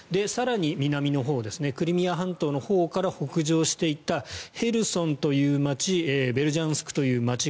更に南のほうクリミア半島のほうから北上していったヘルソンという街ベルジャンスクという街